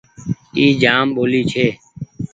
اي جآم ٻولي ڇي ۔